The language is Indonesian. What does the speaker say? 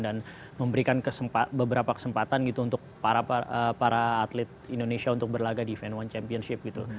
dan memberikan beberapa kesempatan gitu untuk para atlet indonesia untuk berlagak di event one championship gitu